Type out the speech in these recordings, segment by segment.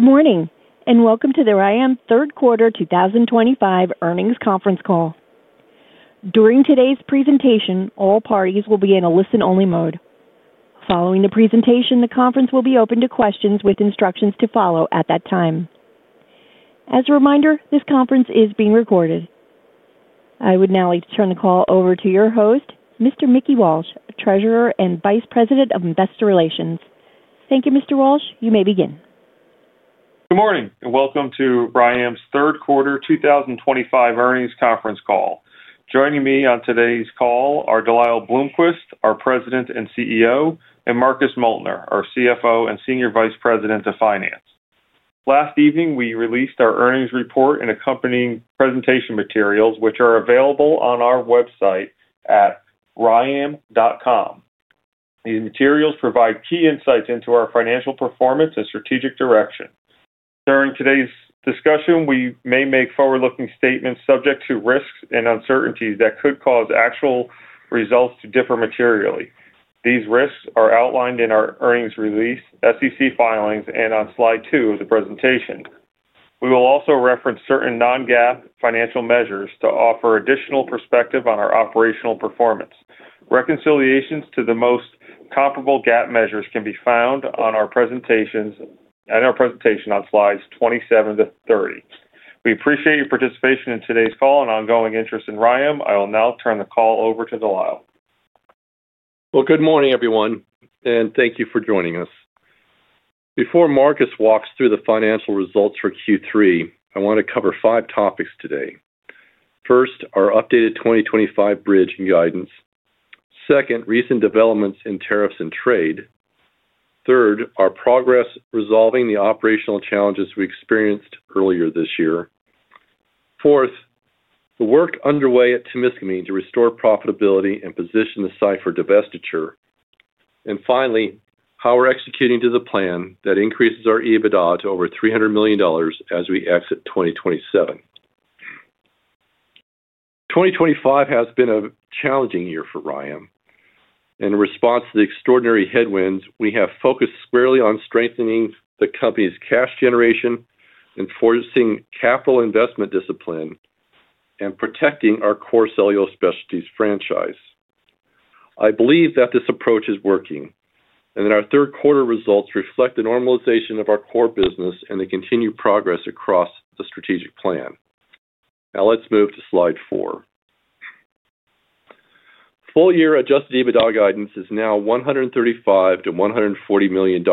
Good morning and welcome to the RYAM Third Quarter 2025 Earnings Conference Call. During today's presentation, all parties will be in a listen-only mode. Following the presentation, the conference will be open to questions with instructions to follow at that time. As a reminder, this conference is being recorded. I would now like to turn the call over to your host, Mr. Mickey Walsh, Treasurer and Vice President of Investor Relations. Thank you, Mr. Walsh. You may begin. Good morning and welcome to RYAM's Third Quarter 2025 Earnings Conference Call. Joining me on today's call are De Lyle Bloomquist, our President and CEO, and Marcus Moeltner, our CFO and Senior Vice President of Finance. Last evening, we released our earnings report and accompanying presentation materials, which are available on our website at ryam.com. These materials provide key insights into our financial performance and strategic direction. During today's discussion, we may make forward-looking statements subject to risks and uncertainties that could cause actual results to differ materially. These risks are outlined in our earnings release, SEC filings, and on slide two of the presentation. We will also reference certain non-GAAP financial measures to offer additional perspective on our operational performance. Reconciliations to the most comparable GAAP measures can be found on our presentation on slides 27-30. We appreciate your participation in today's call and ongoing interest in RYAM. I will now turn the call over to De Lyle. Good morning, everyone, and thank you for joining us. Before Marcus walks through the financial results for Q3, I want to cover five topics today. First, our updated 2025 Bridge and Guidance. Second, recent developments in tariffs and trade. Third, our progress resolving the operational challenges we experienced earlier this year. Fourth, the work underway at Témiscaming to restore profitability and position the site for divestiture. Finally, how we are executing to the plan that increases our EBITDA to over $300 million as we exit 2027. 2025 has been a challenging year for RYAM. In response to the extraordinary headwinds, we have focused squarely on strengthening the company's cash generation, enforcing capital investment discipline, and protecting our core cellulose specialties franchise. I believe that this approach is working and that our third quarter results reflect the normalization of our core business and the continued progress across the strategic plan. Now let's move to slide four. Full-year adjusted EBITDA guidance is now $135 million-$140 million,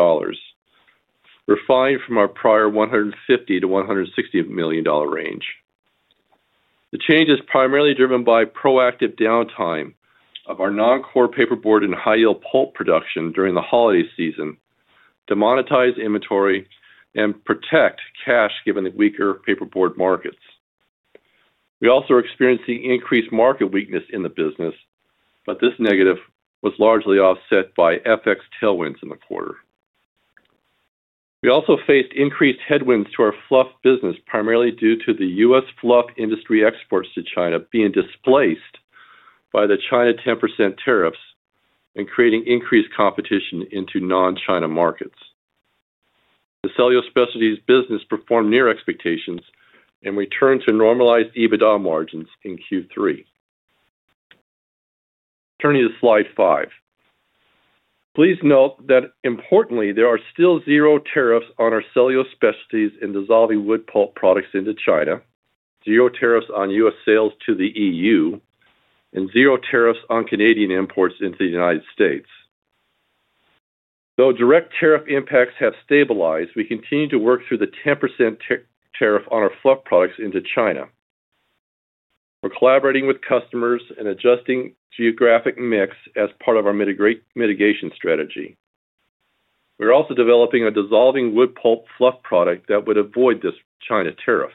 refined from our prior $150 million-$160 million range. The change is primarily driven by proactive downtime of our non-core paperboard and high-yield pulp production during the holiday season to monetize inventory and protect cash given the weaker paperboard markets. We also are experiencing increased market weakness in the business. This negative was largely offset by FX tailwinds in the quarter. We also faced increased headwinds to our fluff business, primarily due to the U.S. fluff industry exports to China being displaced by the China 10% tariffs and creating increased competition into non-China markets. The cellulose specialties business performed near expectations and returned to normalized EBITDA margins in Q3. Turning to slide five. Please note that importantly, there are still zero tariffs on our cellulose specialties in dissolving wood pulp products into China, zero tariffs on U.S. sales to the E.U., and zero tariffs on Canadian imports into the United States. Though direct tariff impacts have stabilized, we continue to work through the 10% tariff on our fluff products into China. We are collaborating with customers and adjusting geographic mix as part of our mitigation strategy. We are also developing a dissolving wood pulp fluff product that would avoid this China tariff.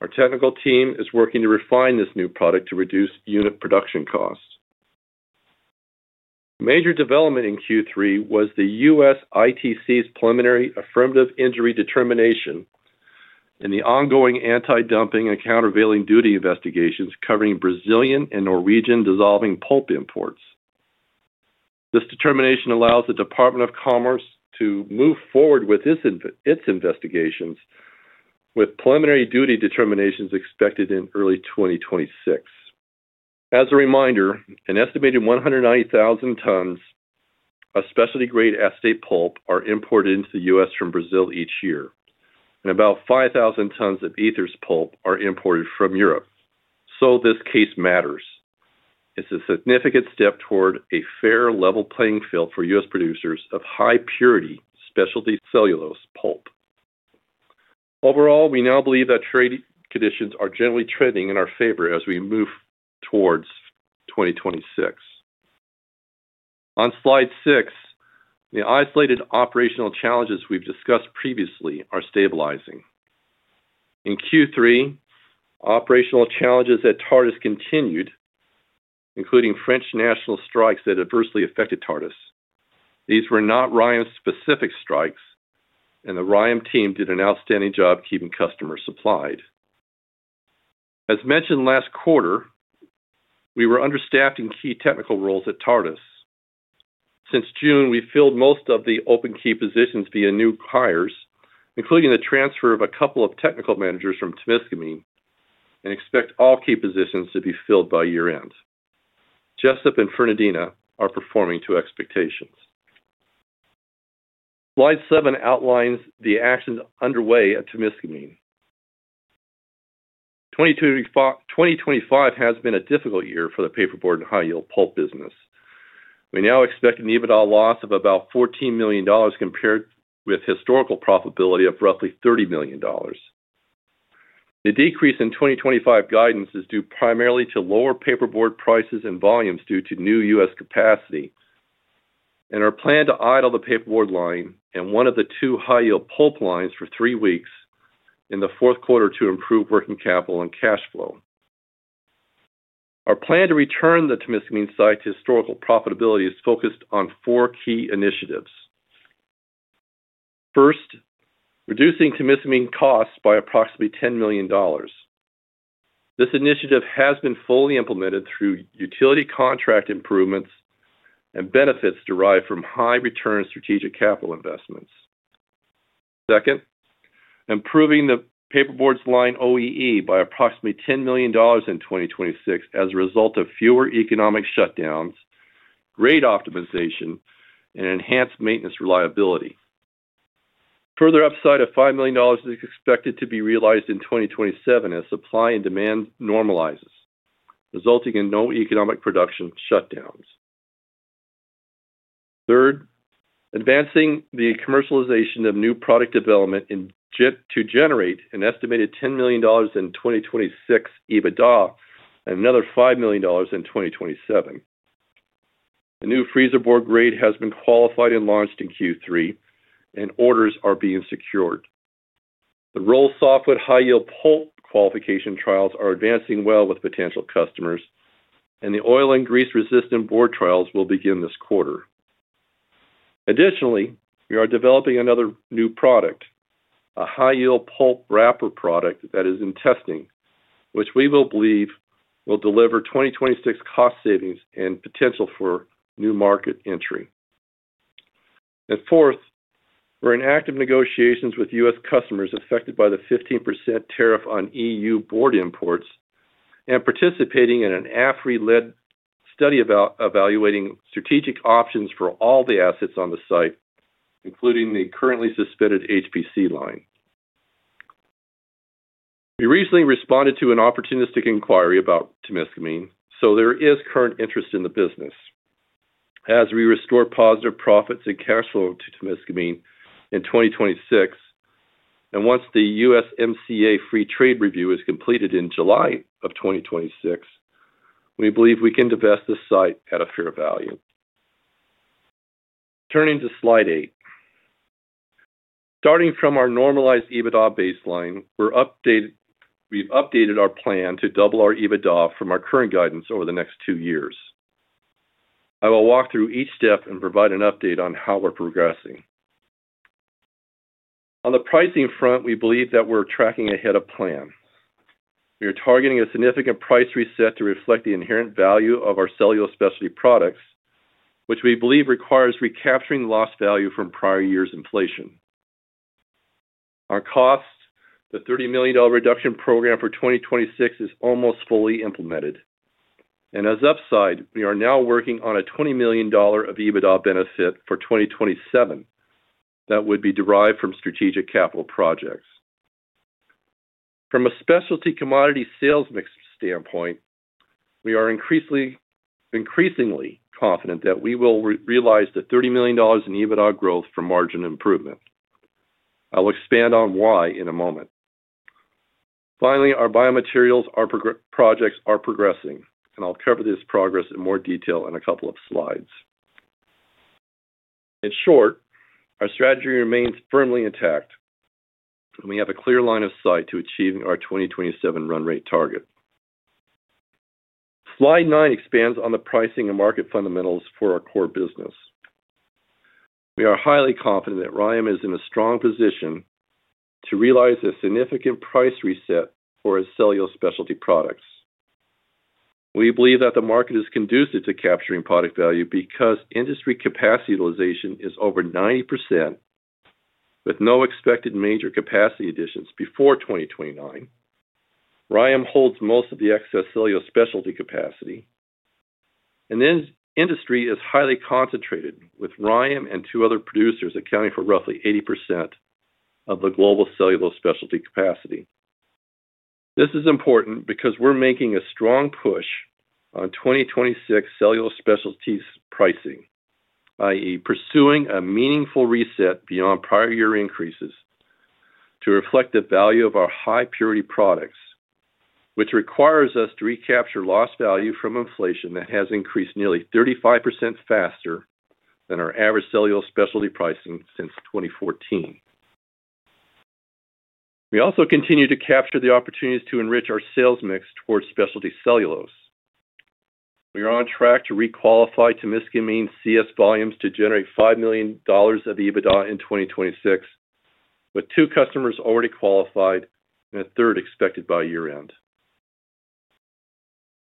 Our technical team is working to refine this new product to reduce unit production costs. A major development in Q3 was the U.S. ITC's preliminary affirmative injury determination, and the ongoing anti-dumping and countervailing duty investigations covering Brazilian and Norwegian dissolving pulp imports. This determination allows the Department of Commerce to move forward with its investigations, with preliminary duty determinations expected in early 2026. As a reminder, an estimated 190,000 tons of specialty-grade acetate pulp are imported into the U.S. from Brazil each year, and about 5,000 tons of ethers pulp are imported from Europe. This case matters. It is a significant step toward a fair level playing field for U.S. producers of high-purity specialty cellulose pulp. Overall, we now believe that trade conditions are generally trending in our favor as we move towards 2026. On slide six, the isolated operational challenges we have discussed previously are stabilizing. In Q3, operational challenges at Tartas continued, including French national strikes that adversely affected Tartas. These were not RYAM-specific strikes, and the RYAM team did an outstanding job keeping customers supplied. As mentioned last quarter, we were understaffed in key technical roles at Tartas. Since June, we filled most of the open key positions via new hires, including the transfer of a couple of technical managers from Témiscaming, and expect all key positions to be filled by year-end. Jesup and Fernandina are performing to expectations. Slide seven outlines the actions underway at Témiscaming. 2025 has been a difficult year for the paperboard and high-yield pulp business. We now expect an EBITDA loss of about $14 million compared with historical profitability of roughly $30 million. The decrease in 2025 guidance is due primarily to lower paperboard prices and volumes due to new U.S. capacity. Our plan to idle the paperboard line and one of the two high-yield pulp lines for three weeks in the fourth quarter is to improve working capital and cash flow. Our plan to return the Témiscaming site to historical profitability is focused on four key initiatives. First. Reducing Témiscaming costs by approximately $10 million. This initiative has been fully implemented through utility contract improvements and benefits derived from high-return strategic capital investments. Second, improving the paperboard line OEE by approximately $10 million in 2026 as a result of fewer economic shutdowns, grade optimization, and enhanced maintenance reliability. Further upside of $5 million is expected to be realized in 2027 as supply and demand normalizes, resulting in no economic production shutdowns. Third, advancing the commercialization of new product development to generate an estimated $10 million in 2026 EBITDA and another $5 million in 2027. The new freezer board grade has been qualified and launched in Q3, and orders are being secured. The roll softwood high-yield pulp qualification trials are advancing well with potential customers, and the oil and grease-resistant board trials will begin this quarter. Additionally, we are developing another new product, a high-yield pulp wrapper product that is in testing, which we believe will deliver 2026 cost savings and potential for new market entry. Fourth, we're in active negotiations with U.S. customers affected by the 15% tariff on E.U. board imports and participating in an AFRY-led study evaluating strategic options for all the assets on the site, including the currently suspended HPC line. We recently responded to an opportunistic inquiry about Témiscaming, so there is current interest in the business. As we restore positive profits and cash flow to Témiscaming in 2026, and once the USMCA Free Trade Review is completed in July of 2026, we believe we can divest this site at a fair value. Turning to slide eight. Starting from our normalized EBITDA baseline, we've updated our plan to double our EBITDA from our current guidance over the next two years. I will walk through each step and provide an update on how we're progressing. On the pricing front, we believe that we're tracking ahead of plan. We are targeting a significant price reset to reflect the inherent value of our cellulose specialty products, which we believe requires recapturing lost value from prior years' inflation. Our cost, the $30 million reduction program for 2026, is almost fully implemented. As upside, we are now working on a $20 million of EBITDA benefit for 2027. That would be derived from strategic capital projects. From a specialty commodity sales mix standpoint, we are increasingly confident that we will realize the $30 million in EBITDA growth from margin improvement. I'll expand on why in a moment. Finally, our biomaterials projects are progressing, and I'll cover this progress in more detail in a couple of slides. In short, our strategy remains firmly intact. We have a clear line of sight to achieving our 2027 run rate target. Slide nine expands on the pricing and market fundamentals for our core business. We are highly confident that RYAM is in a strong position to realize a significant price reset for its cellulose specialty products. We believe that the market is conducive to capturing product value because industry capacity utilization is over 90%, with no expected major capacity additions before 2029. RYAM holds most of the excess cellulose specialty capacity, and the industry is highly concentrated, with RYAM and two other producers accounting for roughly 80% of the global cellulose specialty capacity. This is important because we're making a strong push on 2026 cellulose specialties pricing, i.e., pursuing a meaningful reset beyond prior year increases to reflect the value of our high-purity products, which requires us to recapture lost value from inflation that has increased nearly 35% faster than our average cellulose specialty pricing since 2014. We also continue to capture the opportunities to enrich our sales mix towards specialty cellulose. We are on track to requalify Témiscaming's CS volumes to generate $5 million of EBITDA in 2026, with two customers already qualified and a third expected by year-end.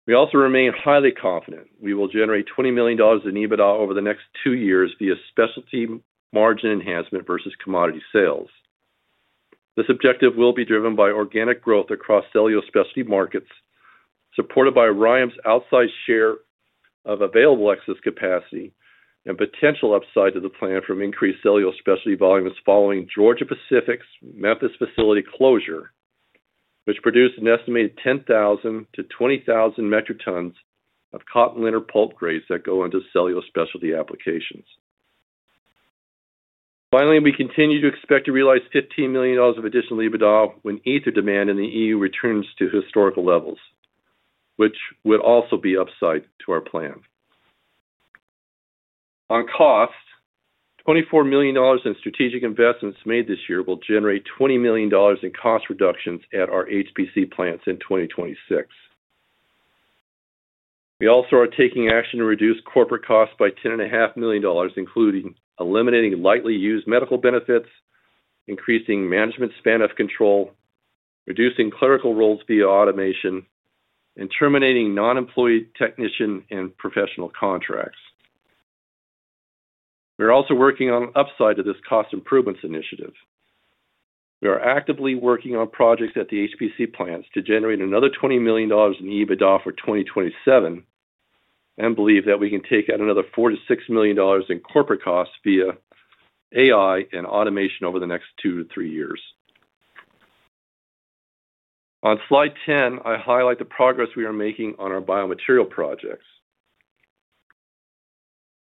We also remain highly confident we will generate $20 million in EBITDA over the next two years via specialty margin enhancement versus commodity sales. This objective will be driven by organic growth across cellulose specialty markets supported by RYAM's outside share of available excess capacity and potential upside to the plan from increased cellulose specialty volumes following Georgia-Pacific's Memphis facility closure, which produced an estimated 10,000-20,000 metric tons of cotton linter pulp grades that go into cellulose specialty applications. Finally, we continue to expect to realize $15 million of additional EBITDA when ether demand in the E.U. returns to historical levels, which would also be upside to our plan. On cost, $24 million in strategic investments made this year will generate $20 million in cost reductions at our HPC plants in 2026. We also are taking action to reduce corporate costs by $10.5 million, including eliminating lightly used medical benefits, increasing management span of control, reducing clerical roles via automation, and terminating non-employed technician and professional contracts. We're also working on upside to this cost improvements initiative. We are actively working on projects at the HPC plants to generate another $20 million in EBITDA for 2027. We believe that we can take out another $4 million-$6 million in corporate costs via AI and automation over the next two-three years. On slide 10, I highlight the progress we are making on our biomaterial projects.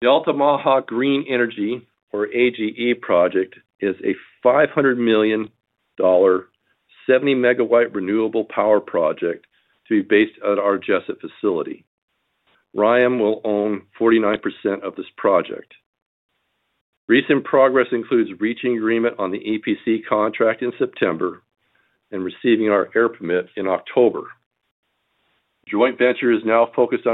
The Altamaha Green Energy, or AGE project, is a $500 million 70 MW renewable power project to be based at our Jesup facility. RYAM will own 49% of this project. Recent progress includes reaching agreement on the EPC contract in September and receiving our air permit in October. The joint venture is now focused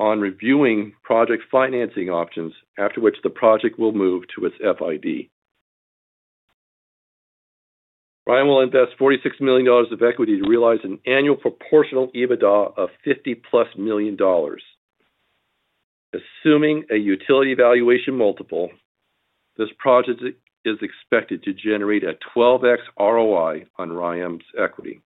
on reviewing project financing options, after which the project will move to its FID. RYAM will invest $46 million of equity to realize an annual proportional EBITDA of $50+ million. Assuming a utility valuation multiple, this project is expected to generate a 12x ROI on RYAM's equity.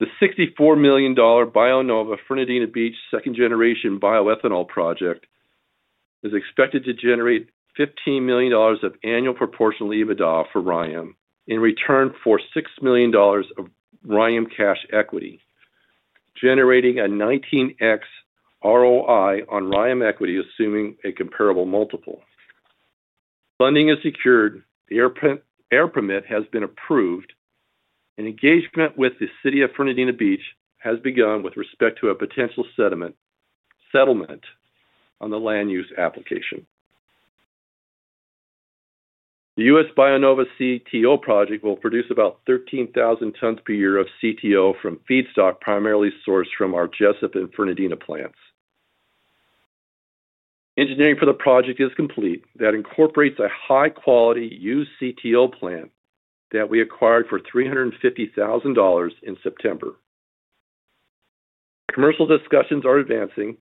The $64 million BioNova Fernandina Beach second-generation bioethanol project is expected to generate $15 million of annual proportional EBITDA for RYAM in return for $6 million of RYAM cash equity, generating a 19x ROI on RYAM equity, assuming a comparable multiple. Funding is secured. The air permit has been approved. Engagement with the city of Fernandina Beach has begun with respect to a potential settlement on the land use application. The U.S. BioNova CTO project will produce about 13,000 tons per year of CTO from feedstock primarily sourced from our Jesup and Fernandina plants. Engineering for the project is complete. That incorporates a high-quality used CTO plant that we acquired for $350,000 in September. Commercial discussions are advancing.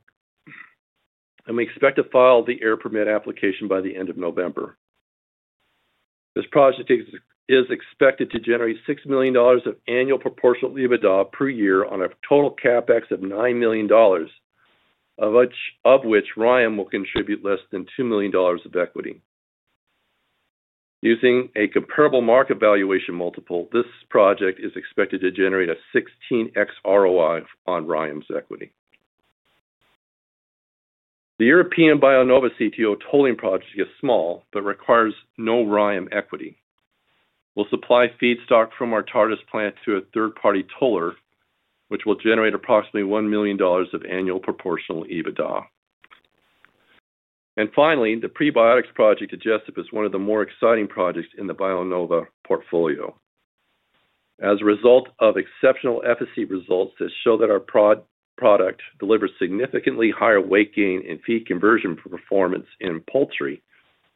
We expect to file the air permit application by the end of November. This project is expected to generate $6 million of annual proportional EBITDA per year on a total CapEx of $9 million, of which RYAM will contribute less than $2 million of equity. Using a comparable market valuation multiple, this project is expected to generate a 16x ROI on RYAM's equity. The European BioNova CTO tolling project is small but requires no RYAM equity. We'll supply feedstock from our Tartas plant to a third-party toller, which will generate approximately $1 million of annual proportional EBITDA. Finally, the prebiotics project at Jesup is one of the more exciting projects in the BioNova portfolio as a result of exceptional efficacy results that show that our product delivers significantly higher weight gain and feed conversion performance in poultry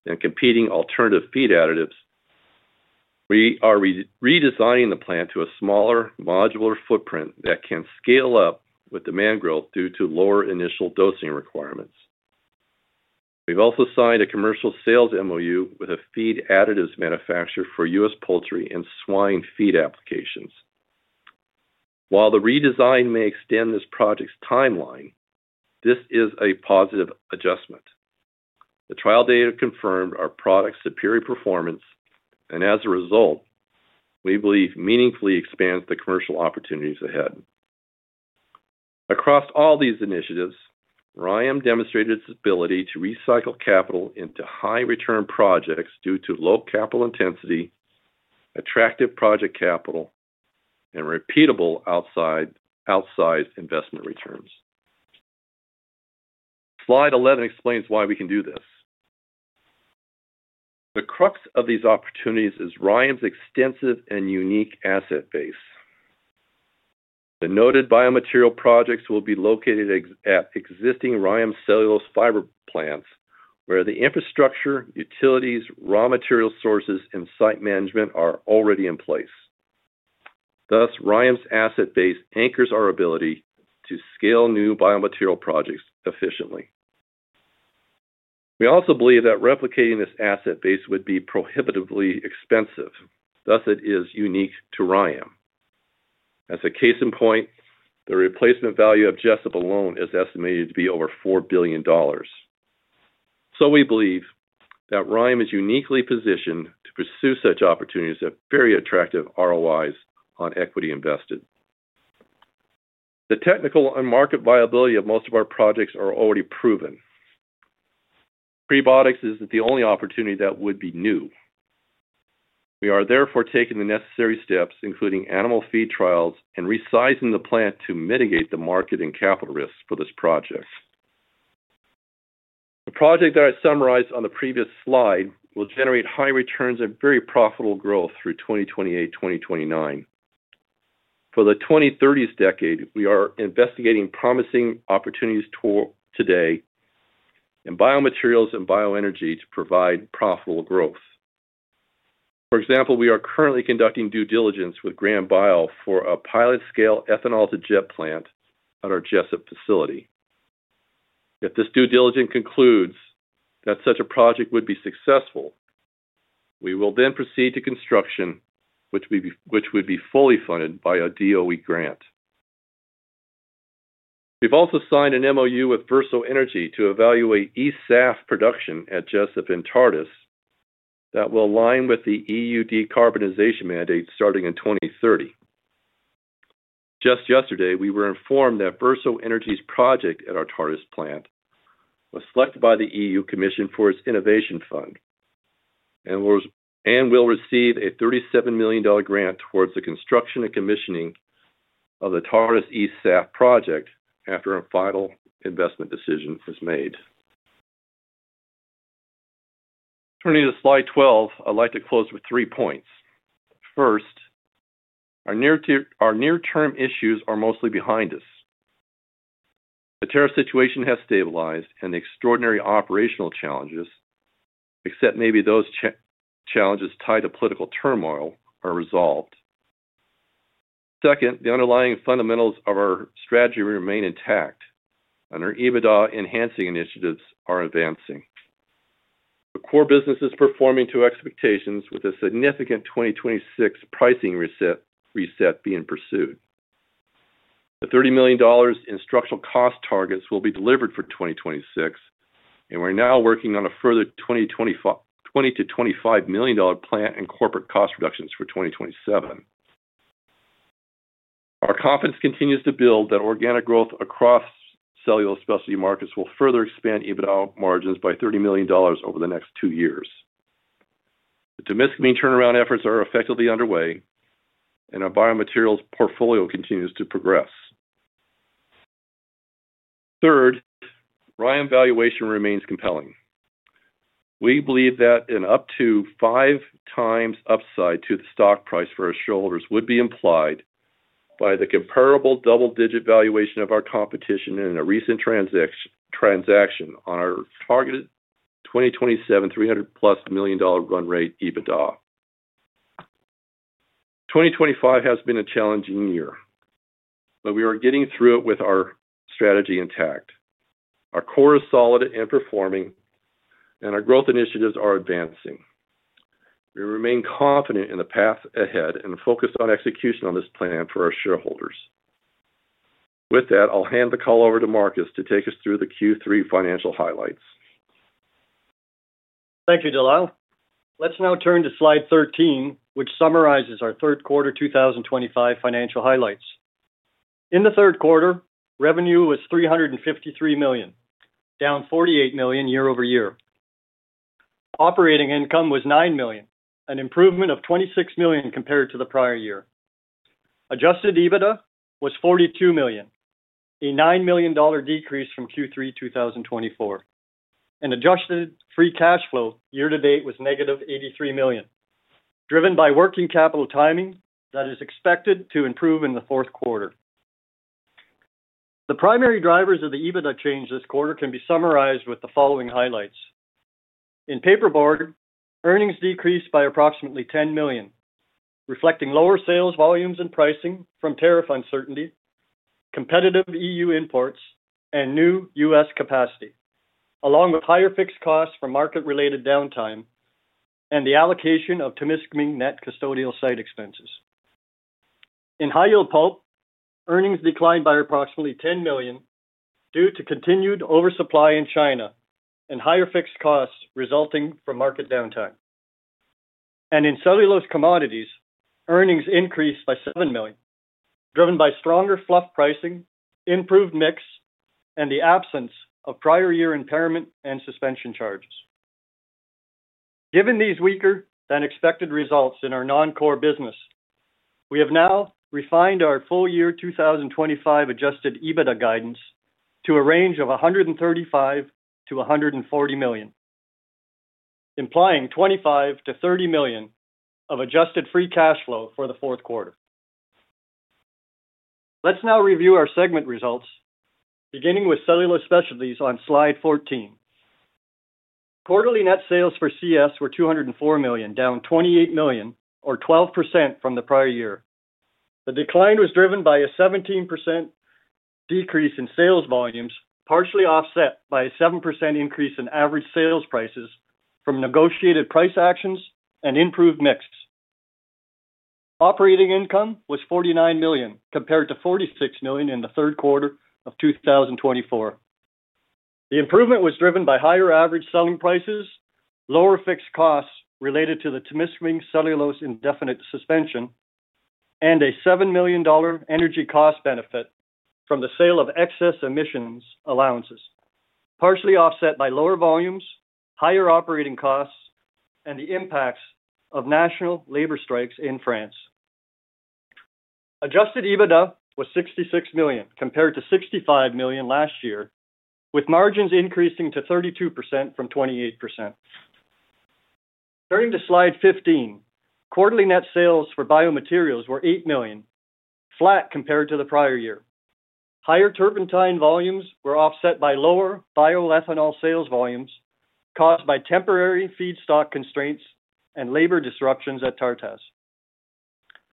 than competing alternative feed additives. We are redesigning the plant to a smaller modular footprint that can scale up with demand growth due to lower initial dosing requirements. We've also signed a commercial sales MOU with a feed additives manufacturer for U.S. poultry and swine feed applications. While the redesign may extend this project's timeline, this is a positive adjustment. The trial data confirmed our product's superior performance, and as a result, we believe meaningfully expands the commercial opportunities ahead. Across all these initiatives, RYAM demonstrated its ability to recycle capital into high-return projects due to low capital intensity, attractive project capital, and repeatable outside investment returns. Slide 11 explains why we can do this. The crux of these opportunities is RYAM's extensive and unique asset base. The noted biomaterial projects will be located at existing RYAM cellulose fiber plants where the infrastructure, utilities, raw material sources, and site management are already in place. Thus, RYAM's asset base anchors our ability to scale new biomaterial projects efficiently. We also believe that replicating this asset base would be prohibitively expensive. Thus, it is unique to RYAM. As a case in point, the replacement value of Jesup alone is estimated to be over $4 billion. We believe that RYAM is uniquely positioned to pursue such opportunities at very attractive ROIs on equity invested. The technical and market viability of most of our projects are already proven. Prebiotics is the only opportunity that would be new. We are therefore taking the necessary steps, including animal feed trials and resizing the plant to mitigate the market and capital risks for this project. The project that I summarized on the previous slide will generate high returns and very profitable growth through 2028-2029. For the 2030s decade, we are investigating promising opportunities today. In biomaterials and bioenergy to provide profitable growth. For example, we are currently conducting due diligence with GranBio for a pilot-scale ethanol-to-jet plant at our Jesup facility. If this due diligence concludes that such a project would be successful, we will then proceed to construction, which would be fully funded by a DOE grant. We've also signed an MOU with Verso Energy to evaluate e production at Jesup and Tartas that will align with the E.U. decarbonization mandate starting in 2030. Just yesterday, we were informed that Verso Energy's project at our Tartas plant was selected by the E.U. Commission for its Innovation Fund and will receive a $37 million grant towards the construction and commissioning of the Tartas eSAF project after a final investment decision is made. Turning to slide 12, I'd like to close with three points. First, our near-term issues are mostly behind us. The tariff situation has stabilized, and the extraordinary operational challenges, except maybe those challenges tied to political turmoil, are resolved. Second, the underlying fundamentals of our strategy remain intact, and our EBITDA enhancing initiatives are advancing. The core business is performing to expectations, with a significant 2026 pricing reset being pursued. The $30 million instructional cost targets will be delivered for 2026, and we're now working on a further $20 million-$25 million plant and corporate cost reductions for 2027. Our confidence continues to build that organic growth across cellulose specialty markets will further expand EBITDA margins by $30 million over the next two years. The Témiscaming turnaround efforts are effectively underway, and our biomaterials portfolio continues to progress. Third, RYAM valuation remains compelling. We believe that an up to 5x upside to the stock price for our shareholders would be implied by the comparable double-digit valuation of our competition in a recent transaction on our targeted 2027 $300+ million run rate EBITDA. 2025 has been a challenging year, but we are getting through it with our strategy intact. Our core is solid and performing, and our growth initiatives are advancing. We remain confident in the path ahead and focused on execution on this plan for our shareholders. With that, I'll hand the call over to Marcus to take us through the Q3 financial highlights. Thank you, De Lyle. Let's now turn to slide 13, which summarizes our third quarter 2025 financial highlights. In the third quarter, revenue was $353 million, down $48 million year-over-year. Operating income was $9 million, an improvement of $26 million compared to the prior year. Adjusted EBITDA was $42 million, a $9 million decrease from Q3 2024. Adjusted free cash flow year to date was negative $83 million, driven by working capital timing that is expected to improve in the fourth quarter. The primary drivers of the EBITDA change this quarter can be summarized with the following highlights. In paperboard, earnings decreased by approximately $10 million, reflecting lower sales volumes and pricing from tariff uncertainty, competitive E.U. imports, and new US capacity, along with higher fixed costs from market-related downtime and the allocation of Témiscaming net custodial site expenses. In high-yield pulp, earnings declined by approximately $10 million due to continued oversupply in China and higher fixed costs resulting from market downtime. In cellulose commodities, earnings increased by $7 million, driven by stronger fluff pricing, improved mix, and the absence of prior-year impairment and suspension charges. Given these weaker-than-expected results in our non-core business, we have now refined our full-year 2025 adjusted EBITDA guidance to a range of $135 million-$140 million, implying $25 million-$30 million of adjusted free cash flow for the fourth quarter. Let's now review our segment results, beginning with cellulose specialties on slide 14. Quarterly net sales for CS were $204 million, down $28 million, or 12% from the prior year. The decline was driven by a 17% decrease in sales volumes, partially offset by a 7% increase in average sales prices from negotiated price actions and improved mixes. Operating income was $49 million compared to $46 million in the third quarter of 2024. The improvement was driven by higher average selling prices, lower fixed costs related to the Témiscaming cellulose indefinite suspension, and a $7 million energy cost benefit from the sale of excess emissions allowances, partially offset by lower volumes, higher operating costs, and the impacts of national labor strikes in France. Adjusted EBITDA was $66 million compared to $65 million last year, with margins increasing to 32% from 28%. Turning to slide 15, quarterly net sales for biomaterials were $8 million, flat compared to the prior year. Higher turpentine volumes were offset by lower bioethanol sales volumes caused by temporary feedstock constraints and labor disruptions at Tartas.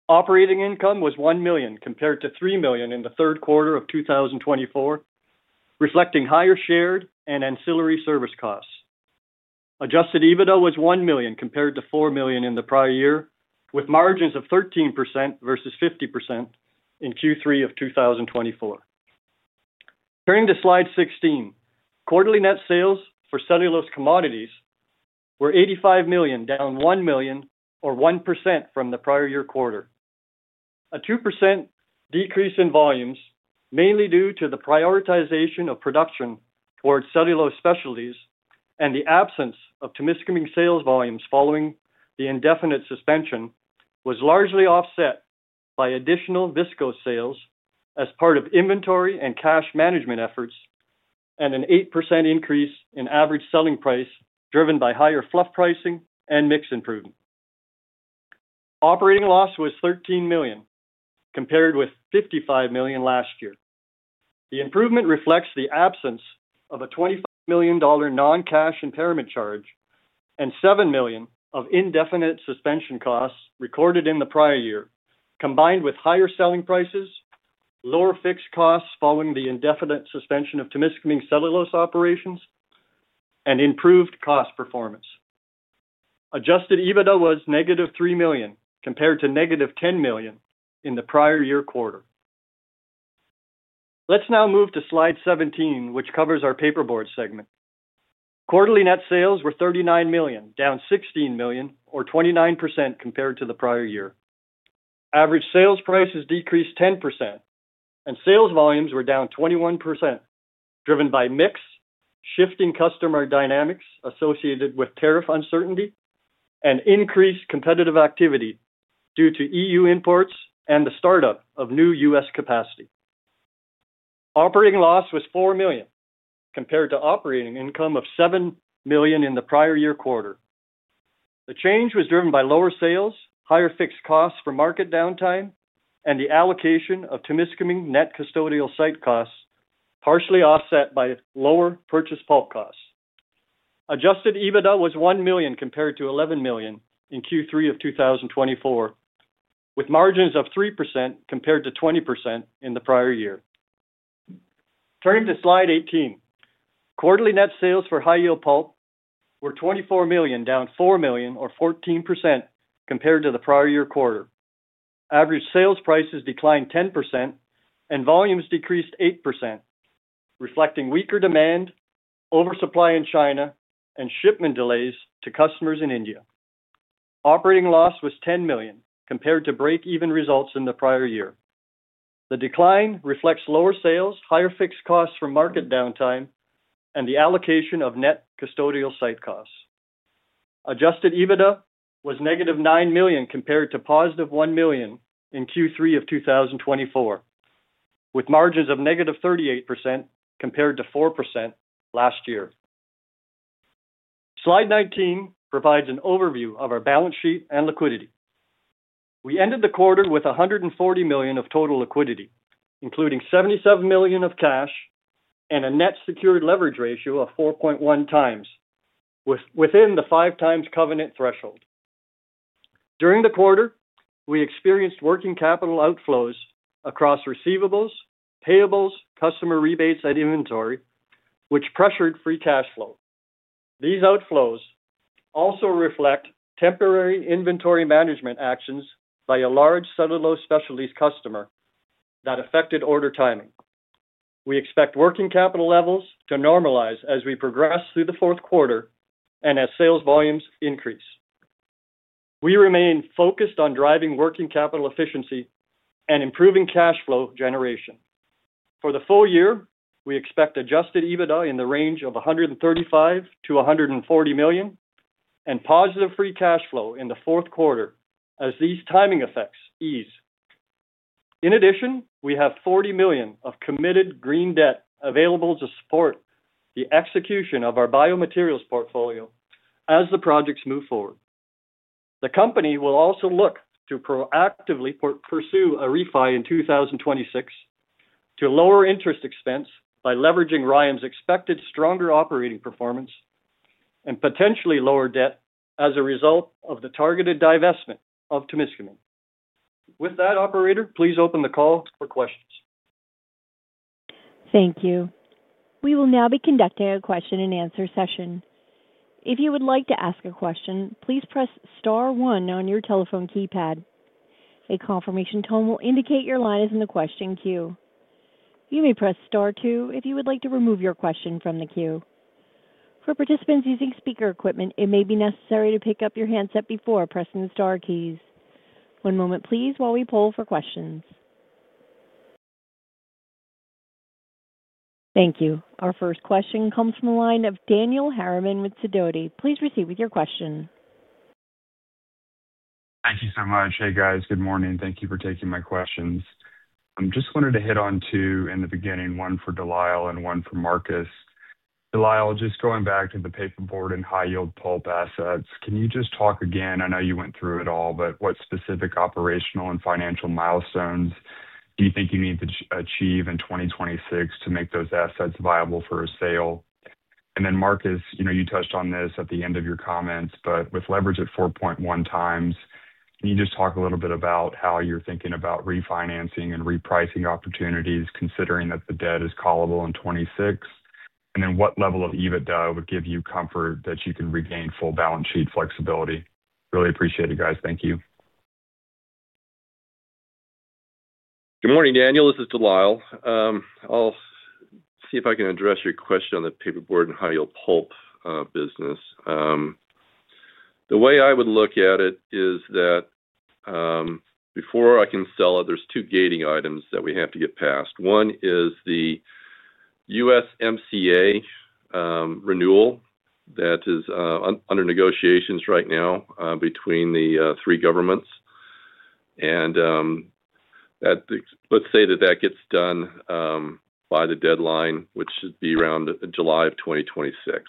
Operating income was $1 million compared to $3 million in the third quarter of 2024. Reflecting higher shared and ancillary service costs. Adjusted EBITDA was $1 million compared to $4 million in the prior year, with margins of 13% versus 50% in Q3 of 2024. Turning to slide 16, quarterly net sales for cellulose commodities were $85 million, down $1 million or 1% from the prior-year quarter. A 2% decrease in volumes, mainly due to the prioritization of production towards cellulose specialties and the absence of Témiscaming sales volumes following the indefinite suspension, was largely offset by additional visco sales as part of inventory and cash management efforts and an 8% increase in average selling price driven by higher fluff pricing and mix improvement. Operating loss was $13 million compared with $55 million last year. The improvement reflects the absence of a $25 million non-cash impairment charge and $7 million of indefinite suspension costs recorded in the prior year, combined with higher selling prices, lower fixed costs following the indefinite suspension of Témiscaming cellulose operations, and improved cost performance. Adjusted EBITDA was negative $3 million compared to negative $10 million in the prior-year quarter. Let's now move to slide 17, which covers our paperboard segment. Quarterly net sales were $39 million, down $16 million, or 29% compared to the prior year. Average sales prices decreased 10%, and sales volumes were down 21%, driven by mix shifting customer dynamics associated with tariff uncertainty and increased competitive activity due to E.U. imports and the startup of new U.S. capacity. Operating loss was $4 million compared to operating income of $7 million in the prior-year quarter. The change was driven by lower sales, higher fixed costs for market downtime, and the allocation of Témiscaming net custodial site costs, partially offset by lower purchase pulp costs. Adjusted EBITDA was $1 million compared to $11 million in Q3 of 2024, with margins of 3% compared to 20% in the prior year. Turning to slide 18. Quarterly net sales for high-yield pulp were $24 million, down $4 million, or 14% compared to the prior-year quarter. Average sales prices declined 10%, and volumes decreased 8%, reflecting weaker demand, oversupply in China, and shipment delays to customers in India. Operating loss was $10 million compared to break-even results in the prior year. The decline reflects lower sales, higher fixed costs from market downtime, and the allocation of net custodial site costs. Adjusted EBITDA was negative $9 million compared to positive $1 million in Q3 of 2024. With margins of negative 38% compared to 4% last year. Slide 19 provides an overview of our balance sheet and liquidity. We ended the quarter with $140 million of total liquidity, including $77 million of cash and a net secured leverage ratio of 4.1x, within the 5x covenant threshold. During the quarter, we experienced working capital outflows across receivables, payables, customer rebates, and inventory, which pressured free cash flow. These outflows also reflect temporary inventory management actions by a large cellulose specialties customer that affected order timing. We expect working capital levels to normalize as we progress through the fourth quarter and as sales volumes increase. We remain focused on driving working capital efficiency and improving cash flow generation. For the full year, we expect adjusted EBITDA in the range of $135 million-$140 million and positive free cash flow in the fourth quarter as these timing effects ease. In addition, we have $40 million of committed green debt available to support the execution of our biomaterials portfolio as the projects move forward. The company will also look to proactively pursue a refi in 2026 to lower interest expense by leveraging RYAM's expected stronger operating performance and potentially lower debt as a result of the targeted divestment of Témiscaming. With that, operator, please open the call for questions. Thank you. We will now be conducting a question-and-answer session. If you would like to ask a question, please press star one on your telephone keypad. A confirmation tone will indicate your line is in the question queue. You may press star two if you would like to remove your question from the queue. For participants using speaker equipment, it may be necessary to pick up your handset before pressing the star keys. One moment, please, while we poll for questions. Thank you. Our first question comes from the line of Daniel Harriman with Sidoti. Please proceed with your question. Thank you so much. Hey, guys. Good morning. Thank you for taking my questions. I just wanted to hit on two in the beginning, one for De Lyle and one for Marcus. De Lyle, just going back to the paperboard and high-yield pulp assets, can you just talk again? I know you went through it all, but what specific operational and financial milestones do you think you need to achieve in 2026 to make those assets viable for a sale? And then, Marcus, you touched on this at the end of your comments, but with leverage at 4.1x, can you just talk a little bit about how you're thinking about refinancing and repricing opportunities, considering that the debt is callable in 2026? What level of EBITDA would give you comfort that you can regain full balance sheet flexibility? Really appreciate it, guys. Thank you. Good morning, Daniel. This is De Lyle. I'll see if I can address your question on the paperboard and high-yield pulp business. The way I would look at it is that before I can sell it, there are two gating items that we have to get past. One is the USMCA renewal that is under negotiations right now between the three governments. Let's say that gets done by the deadline, which should be around July of 2026.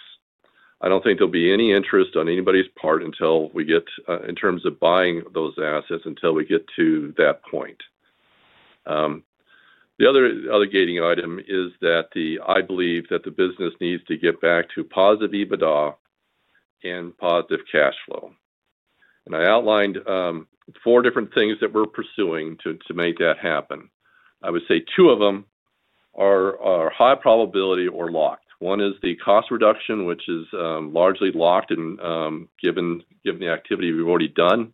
I do not think there will be any interest on anybody's part in terms of buying those assets until we get to that point. The other gating item is that I believe that the business needs to get back to positive EBITDA and positive cash flow. I outlined four different things that we are pursuing to make that happen. I would say two of them are high probability or locked. One is the cost reduction, which is largely locked given the activity we have already done.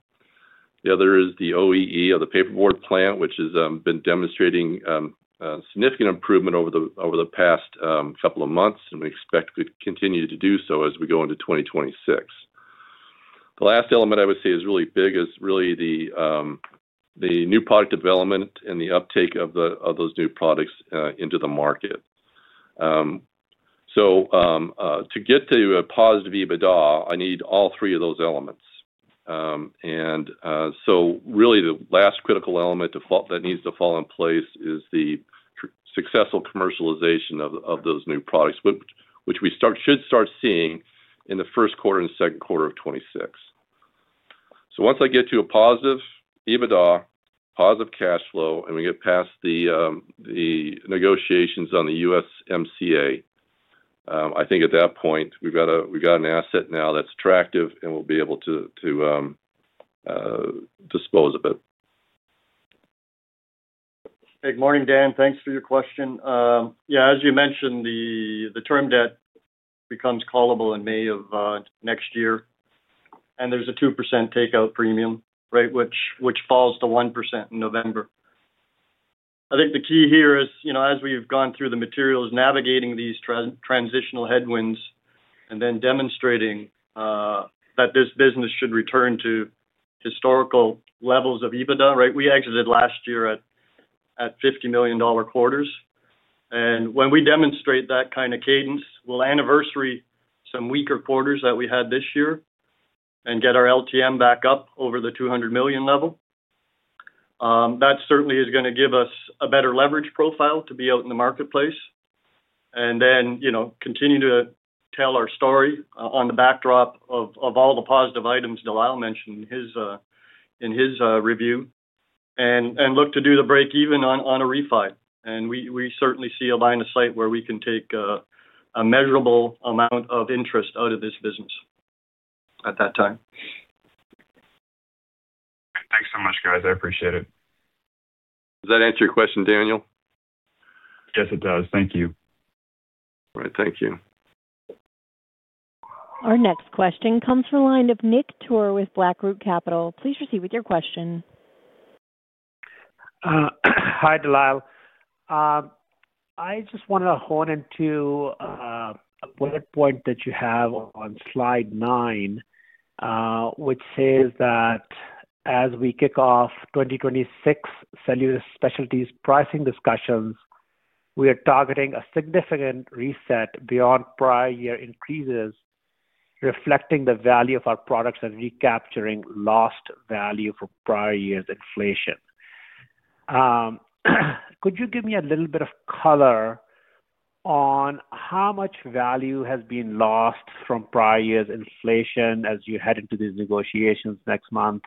The other is the OEE of the paperboard plant, which has been demonstrating significant improvement over the past couple of months, and we expect to continue to do so as we go into 2026. The last element I would say is really big is really the new product development and the uptake of those new products into the market. To get to a positive EBITDA, I need all three of those elements. Really, the last critical element that needs to fall in place is the successful commercialization of those new products, which we should start seeing in the first quarter and second quarter of 2026. Once I get to a positive EBITDA, positive cash flow, and we get past the negotiations on the USMCA, I think at that point, we've got an asset now that's attractive, and we'll be able to dispose of it. Good morning, Dan. Thanks for your question. Yeah, as you mentioned, the term debt becomes callable in May of next year, and there's a 2% takeout premium, which falls to 1% in November. I think the key here is, as we've gone through the materials, navigating these transitional headwinds and then demonstrating that this business should return to historical levels of EBITDA, right? We exited last year at $50 million quarters. When we demonstrate that kind of cadence, we'll anniversary some weaker quarters that we had this year and get our LTM back up over the $200 million level. That certainly is going to give us a better leverage profile to be out in the marketplace. Then continue to tell our story on the backdrop of all the positive items De Lyle mentioned in his review. Look to do the break-even on a refi. We certainly see a line of sight where we can take a measurable amount of interest out of this business at that time. Thanks so much, guys. I appreciate it. Does that answer your question, Daniel? Yes, it does. Thank you. All right. Thank you. Our next question comes from the line of Nick Toor with BlackRoot Capital. Please proceed with your question. Hi, De Lyle. I just wanted to hone into a bullet point that you have on slide nine, which says that as we kick off 2026 cellulose specialties pricing discussions, we are targeting a significant reset beyond prior-year increases. Reflecting the value of our products and recapturing lost value from prior-year inflation. Could you give me a little bit of color on how much value has been lost from prior-year inflation as you head into these negotiations next month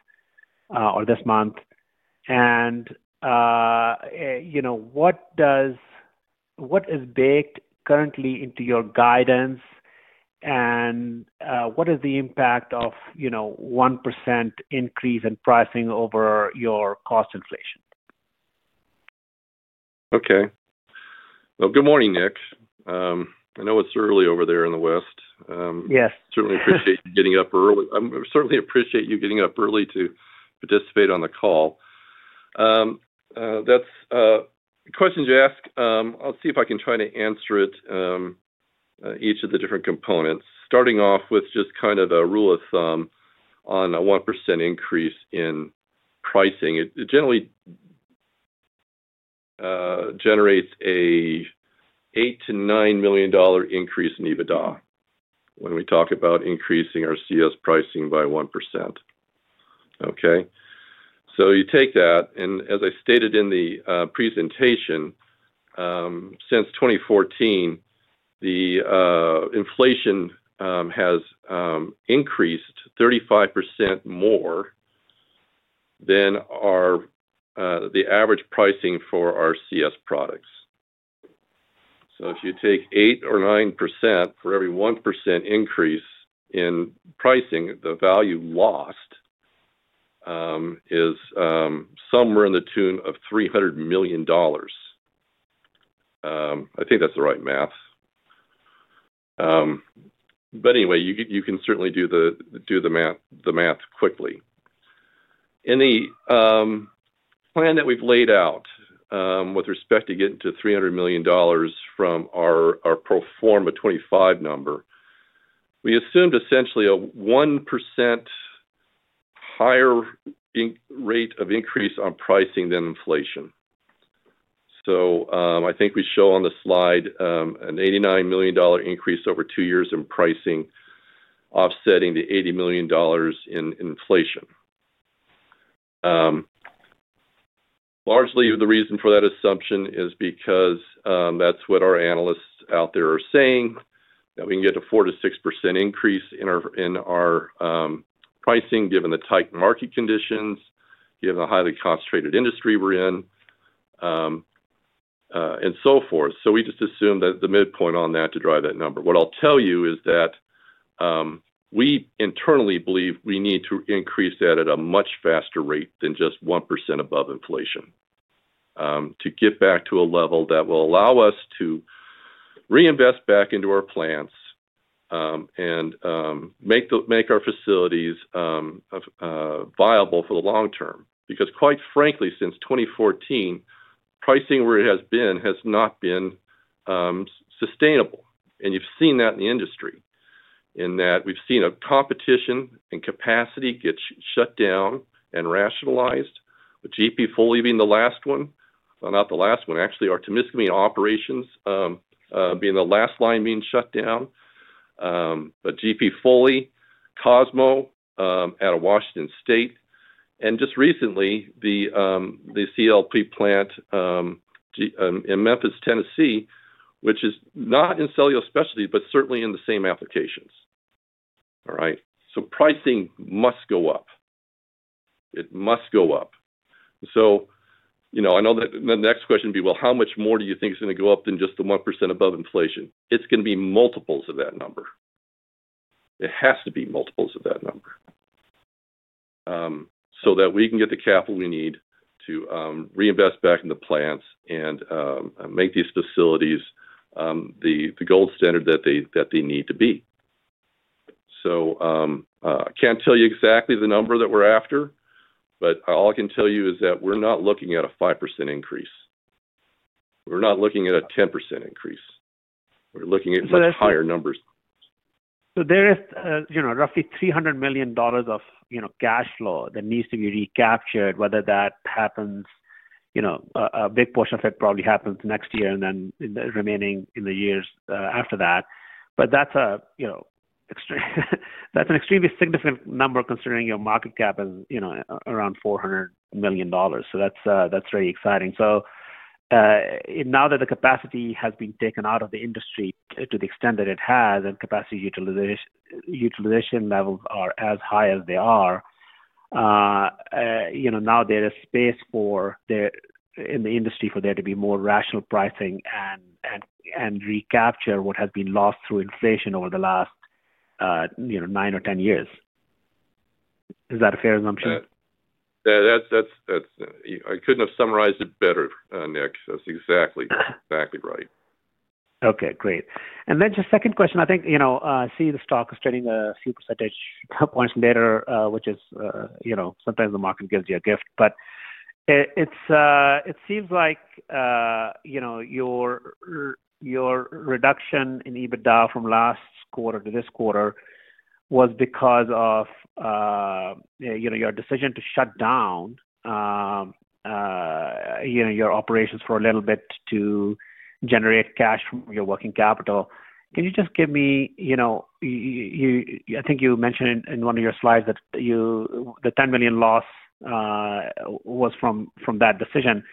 or this month? What is baked currently into your guidance, and what is the impact of a 1% increase in pricing over your cost inflation? Okay. Good morning, Nick. I know it's early over there in the West. Certainly appreciate you getting up early. I certainly appreciate you getting up early to participate on the call. The questions you ask, I'll see if I can try to answer each of the different components. Starting off with just kind of a rule of thumb on a 1% increase in pricing, it generally generates an. $8 million-$9 million increase in EBITDA when we talk about increasing our CS pricing by 1%. Okay? You take that, and as I stated in the presentation, since 2014, the inflation has increased 35% more than the average pricing for our CS products. If you take 8% or 9% for every 1% increase in pricing, the value lost is somewhere in the tune of $300 million. I think that's the right math, but anyway, you can certainly do the math quickly. In the plan that we've laid out with respect to getting to $300 million from our pro forma 2025 number, we assumed essentially a 1% higher rate of increase on pricing than inflation. I think we show on the slide an $89 million increase over two years in pricing, offsetting the $80 million in inflation. Largely, the reason for that assumption is because that's what our analysts out there are saying, that we can get a 4%-6% increase in our pricing given the tight market conditions, given the highly concentrated industry we're in, and so forth. We just assumed the midpoint on that to drive that number. What I'll tell you is that we internally believe we need to increase that at a much faster rate than just 1% above inflation to get back to a level that will allow us to reinvest back into our plants and make our facilities viable for the long term. Because quite frankly, since 2014, pricing where it has been has not been sustainable. You have seen that in the industry in that we have seen competition and capacity get shut down and rationalized, with GP Foley being the last one—not the last one, actually—our Témiscaming operations being the last line being shut down. GP Foley, Cosmo out of Washington State, and just recently the CLP plant in Memphis, Tennessee, which is not in cellulose specialties but certainly in the same applications. All right? Pricing must go up. It must go up. I know that the next question would be, "How much more do you think it is going to go up than just the 1% above inflation?" It is going to be multiples of that number. It has to be multiples of that number so that we can get the capital we need to reinvest back in the plants and make these facilities the gold standard that they need to be. I can't tell you exactly the number that we're after, but all I can tell you is that we're not looking at a 5% increase. We're not looking at a 10% increase. We're looking at higher numbers. There is roughly $300 million of cash flow that needs to be recaptured, whether that happens—a big portion of it probably happens next year and then remaining in the years after that. That's an extremely significant number considering your market cap is around $400 million. That's very exciting. Now that the capacity has been taken out of the industry to the extent that it has and capacity utilization levels are as high as they are, there is space in the industry for there to be more rational pricing and recapture what has been lost through inflation over the last nine or 10 years. Is that a fair assumption? I couldn't have summarized it better, Nick. That's exactly right. Okay. Great. Then just second question, I think I see the stock is trading a few percentage points later, which is sometimes the market gives you a gift. It seems like your reduction in EBITDA from last quarter to this quarter was because of your decision to shut down your operations for a little bit to generate cash from your working capital. Can you just give me—I think you mentioned in one of your slides that the $10 million loss was from that decision,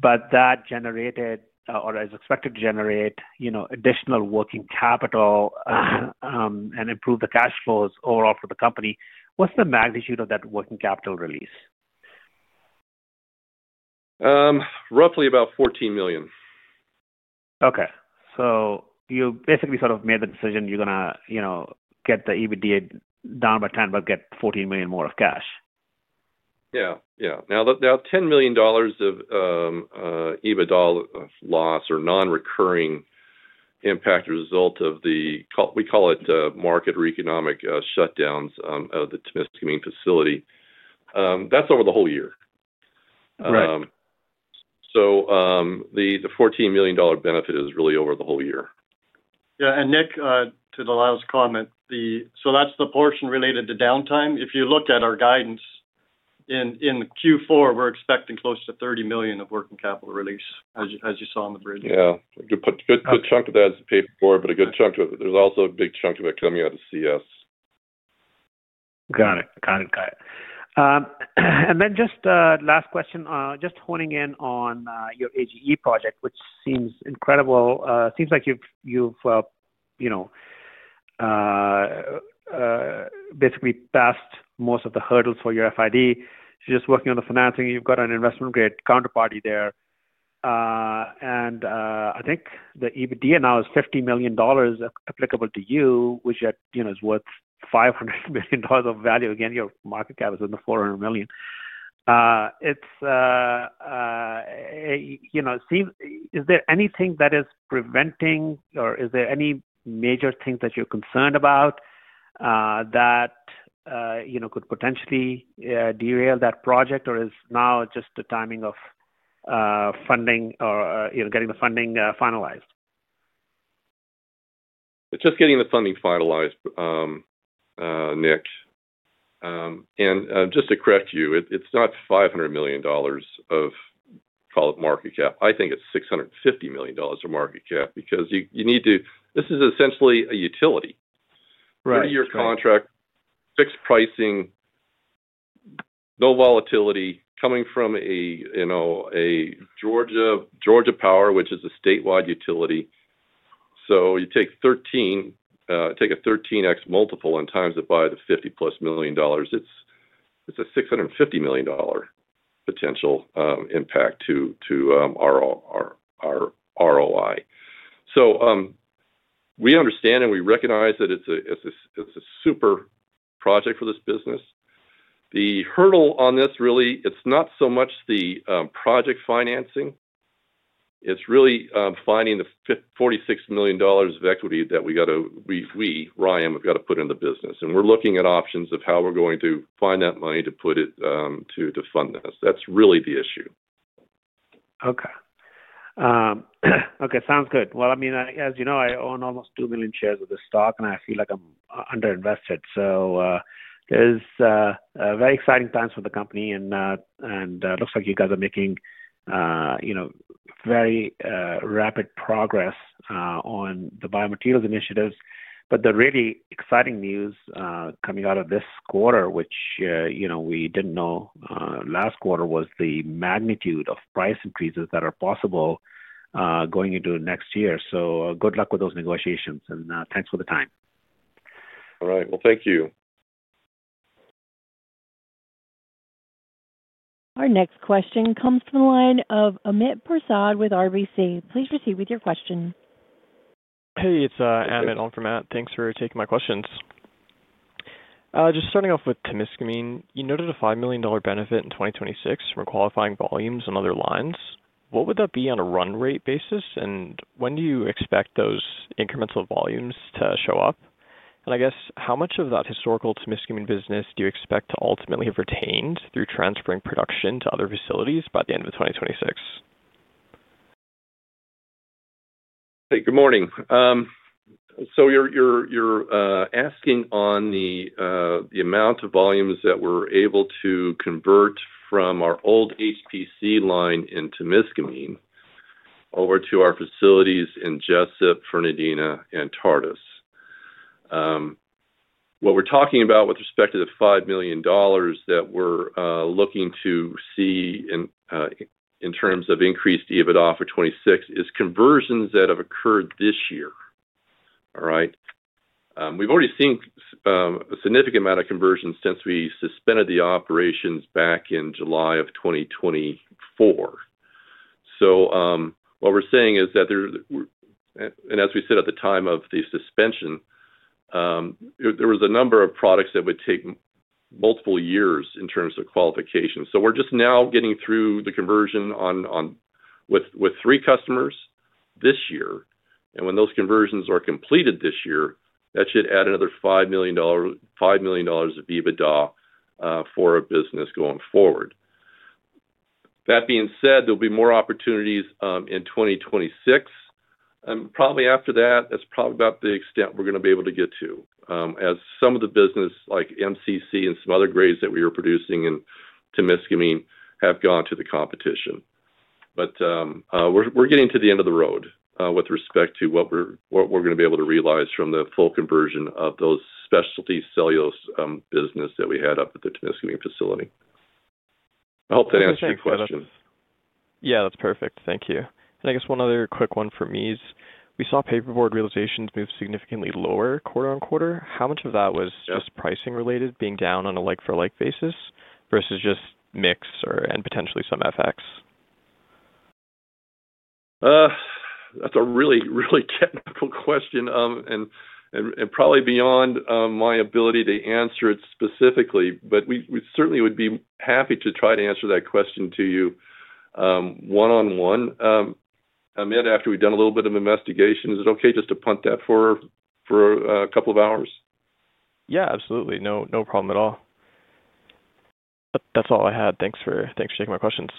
but that generated or is expected to generate additional working capital and improve the cash flows overall for the company. What's the magnitude of that working capital release? Roughly about $14 million. Okay. You basically sort of made the decision you're going to get the EBITDA down by $10 million but get $14 million more of cash. Yeah. Yeah. Now, $10 million of EBITDA loss or non-recurring impact result of the—we call it market or economic shutdowns of the Témiscaming facility. That's over the whole year. The $14 million benefit is really over the whole year. Yeah. And Nick, to De Lyle's comment, that's the portion related to downtime. If you look at our guidance, in Q4, we're expecting close to $30 million of working capital release, as you saw on the bridge. Yeah. A good chunk of that is paid for, but a good chunk of it—there's also a big chunk of it coming out of CS. Got it. Got it. Got it. And then just last question, just honing in on your AGE project, which seems incredible. It seems like you've basically passed most of the hurdles for your FID. You're just working on the financing. You've got an investment-grade counterparty there. And I think the EBITDA now is $50 million applicable to you, which is worth $500 million of value. Again, your market cap is in the $400 million. Is there anything that is preventing, or is there any major thing that you're concerned about that could potentially derail that project, or is now just the timing of funding or getting the funding finalized? It's just getting the funding finalized, Nick. And just to correct you, it's not $500 million of market cap. I think it's $650 million of market cap because you need to—this is essentially a utility. What are your contract fixed pricing? No volatility coming from a Georgia Power, which is a statewide utility. You take a 13x multiple and times it by the $50+ million. It's a $650 million potential impact to our ROI. We understand and we recognize that it's a super project for this business. The hurdle on this really, it's not so much the project financing. It's really finding the $46 million of equity that we got to, we, RYAM, we've got to put in the business. We're looking at options of how we're going to find that money to put it to fund this. That's really the issue. Okay. Sounds good. I mean, as you know, I own almost 2 million shares of this stock, and I feel like I'm underinvested. There's very exciting times for the company, and it looks like you guys are making very rapid progress on the biomaterials initiatives. The really exciting news coming out of this quarter, which. We didn't know last quarter what the magnitude of price increases that are possible going into next year. Good luck with those negotiations, and thanks for the time. Thank you. Our next question comes from the line of Amit Prasad with RBC. Please proceed with your question. Hey, it's Amit on from Matt. Thanks for taking my questions. Just starting off with Témiscaming, you noted a $5 million benefit in 2026 from qualifying volumes on other lines. What would that be on a run rate basis, and when do you expect those incremental volumes to show up? I guess, how much of that historical Témiscaming business do you expect to ultimately have retained through transferring production to other facilities by the end of 2026? Hey, good morning. So you're asking on the. Amount of volumes that we're able to convert from our old HPC line in Témiscaming over to our facilities in Jesup, Fernandina, and Tartas. What we're talking about with respect to the $5 million that we're looking to see in terms of increased EBITDA for 2026 is conversions that have occurred this year. All right? We've already seen a significant amount of conversions since we suspended the operations back in July of 2024. What we're saying is that, as we said at the time of the suspension, there was a number of products that would take multiple years in terms of qualification. We're just now getting through the conversion with three customers this year. When those conversions are completed this year, that should add another $5 million of EBITDA for our business going forward. That being said, there'll be more opportunities in 2026. Probably after that, that's probably about the extent we're going to be able to get to, as some of the business like MCC and some other grades that we are producing in Témiscaming have gone to the competition. We're getting to the end of the road with respect to what we're going to be able to realize from the full conversion of those specialty cellulose businesses that we had up at the Témiscaming facility. I hope that answers your question. Yeah. That's perfect. Thank you. I guess one other quick one for me is we saw paperboard realizations move significantly lower quarter on quarter. How much of that was just pricing related, being down on a like-for-like basis versus just mix and potentially some FX? That's a really, really technical question. Probably beyond my ability to answer it specifically, but we certainly would be happy to try to answer that question to you one-on-one. Amit, after we've done a little bit of investigation, is it okay just to punt that for a couple of hours? Yeah. Absolutely. No problem at all. That's all I had. Thanks for taking my questions.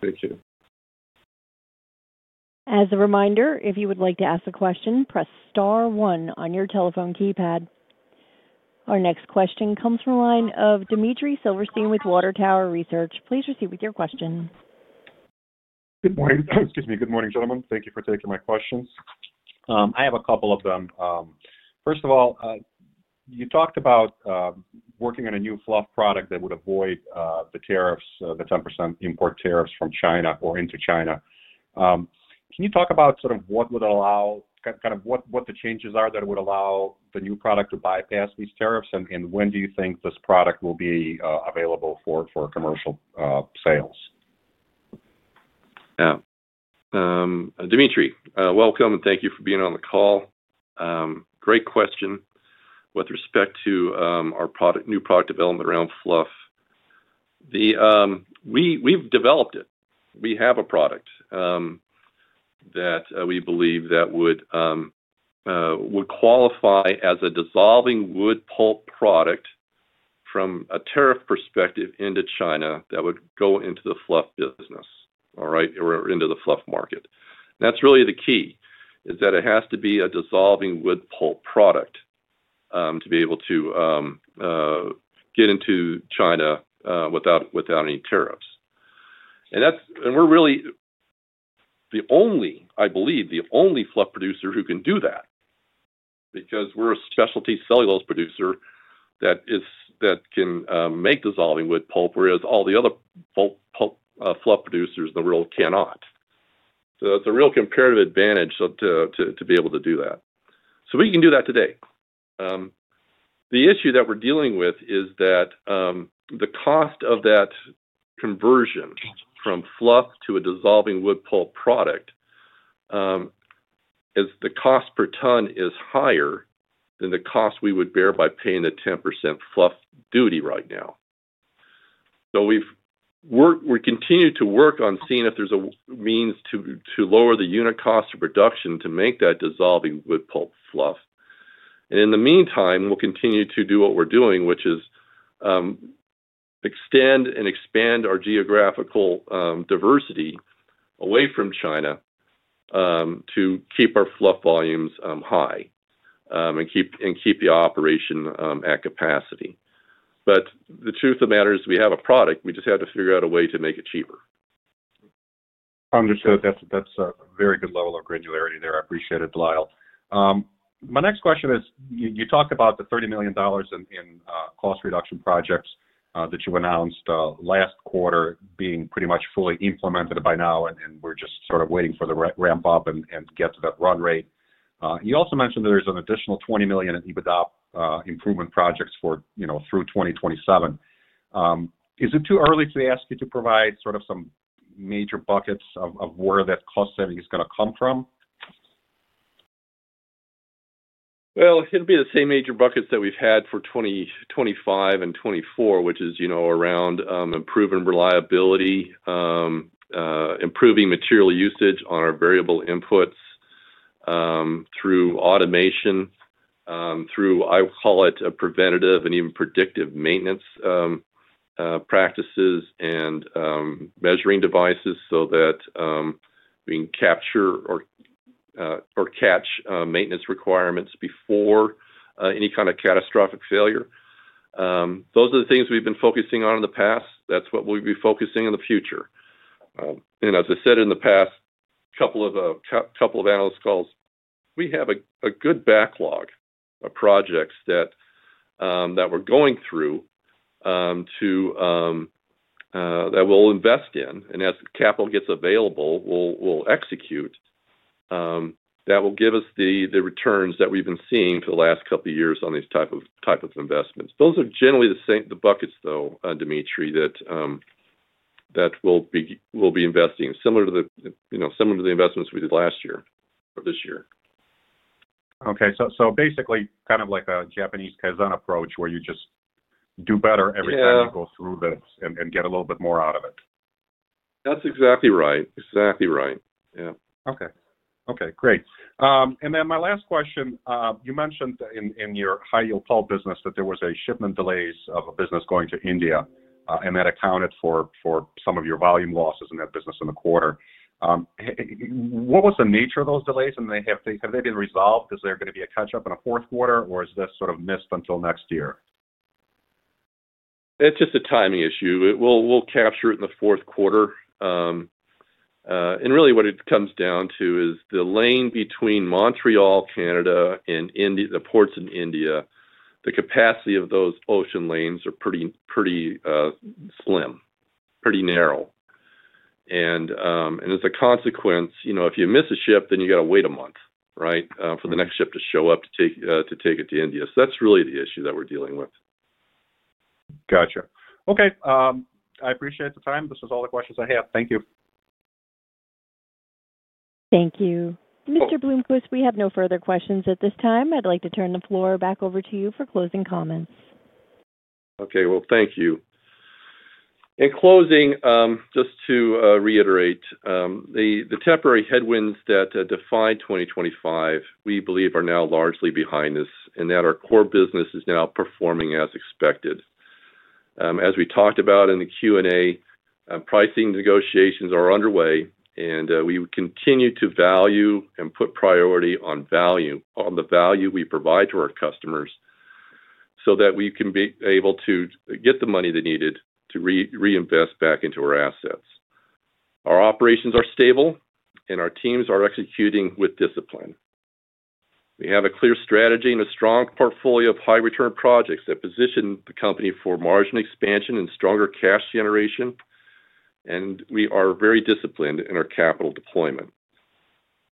Thank you. As a reminder, if you would like to ask a question, press star one on your telephone keypad. Our next question comes from a line of Dmitry Silversteyn with Water Tower Research. Please proceed with your question. Good morning. Excuse me. Good morning, gentlemen. Thank you for taking my questions. I have a couple of them. First of all, you talked about working on a new fluff product that would avoid the tariffs, the 10% import tariffs from China or into China. Can you talk about sort of what would allow kind of what the changes are that would allow the new product to bypass these tariffs, and when do you think this product will be available for commercial sales? Yeah. Dmitry, welcome, and thank you for being on the call. Great question with respect to our new product development around fluff. We've developed it. We have a product that we believe that would qualify as a dissolving wood pulp product from a tariff perspective into China that would go into the fluff business, all right, or into the fluff market. That's really the key, is that it has to be a dissolving wood pulp product to be able to get into China without any tariffs. We're really the only, I believe, the only fluff producer who can do that because we're a specialty cellulose producer that. Can make dissolving wood pulp, whereas all the other fluff producers in the world cannot. That's a real comparative advantage to be able to do that. We can do that today. The issue that we're dealing with is that the cost of that conversion from fluff to a dissolving wood pulp product is, the cost per ton is higher than the cost we would bear by paying the 10% fluff duty right now. We're continuing to work on seeing if there's a means to lower the unit cost of production to make that dissolving wood pulp fluff. In the meantime, we'll continue to do what we're doing, which is extend and expand our geographical diversity away from China to keep our fluff volumes high and keep the operation at capacity. The truth of the matter is we have a product. We just have to figure out a way to make it cheaper. Understood. That's a very good level of granularity there. I appreciate it, De Lyle. My next question is you talked about the $30 million in cost reduction projects that you announced last quarter being pretty much fully implemented by now, and we're just sort of waiting for the ramp-up and to get to that run rate. You also mentioned that there's an additional $20 million in EBITDA improvement projects through 2027. Is it too early to ask you to provide sort of some major buckets of where that cost saving is going to come from? It'll be the same major buckets that we've had for 2025 and 2024, which is around improving reliability. Improving material usage on our variable inputs. Through automation. Through, I would call it, preventative and even predictive maintenance. Practices and measuring devices so that. We can capture or catch maintenance requirements before any kind of catastrophic failure. Those are the things we've been focusing on in the past. That is what we'll be focusing on in the future. As I said in the past couple of analyst calls, we have a good backlog of projects that we're going through, that we'll invest in, and as the capital gets available, we'll execute. That will give us the returns that we've been seeing for the last couple of years on these types of investments. Those are generally the buckets, though, Dmitry, that we'll be investing in, similar to the investments we did last year or this year. Okay. So basically, kind of like a Japanese Kaizen approach where you just do better every time you go through this and get a little bit more out of it. That's exactly right. Exactly right. Yeah. Okay. Okay. Great. Then my last question, you mentioned in your high-yield pulp business that there were shipment delays of a business going to India, and that accounted for some of your volume losses in that business in the quarter. What was the nature of those delays, and have they been resolved? Is there going to be a catch-up in the fourth quarter, or is this sort of missed until next year? It's just a timing issue. We'll capture it in the fourth quarter. Really, what it comes down to is the lane between Montreal, Canada, and the ports in India, the capacity of those ocean lanes are pretty slim, pretty narrow. As a consequence, if you miss a ship, then you got to wait a month for the next ship to show up to take it to India. That's really the issue that we're dealing with. Gotcha. Okay. I appreciate the time. This is all the questions I have. Thank you. Thank you. Mr. Bloomquist, we have no further questions at this time. I'd like to turn the floor back over to you for closing comments. Thank you. In closing, just to reiterate. The temporary headwinds that define 2025, we believe, are now largely behind us and that our core business is now performing as expected. As we talked about in the Q&A, pricing negotiations are underway, and we continue to value and put priority on the value we provide to our customers so that we can be able to get the money they needed to reinvest back into our assets. Our operations are stable, and our teams are executing with discipline. We have a clear strategy and a strong portfolio of high-return projects that position the company for margin expansion and stronger cash generation. We are very disciplined in our capital deployment.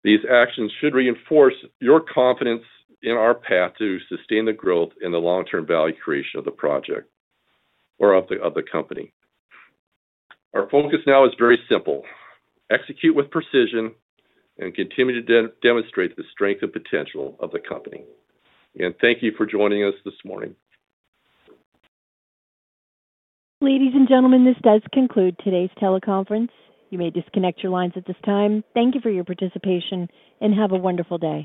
These actions should reinforce your confidence in our path to sustain the growth and the long-term value creation of the project or of the company. Our focus now is very simple: execute with precision and continue to demonstrate the strength and potential of the company. Thank you for joining us this morning. Ladies and gentlemen, this does conclude today's teleconference. You may disconnect your lines at this time. Thank you for your participation, and have a wonderful day.